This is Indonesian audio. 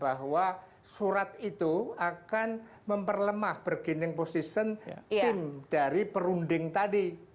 bahwa surat itu akan memperlemah bergening position tim dari perunding tadi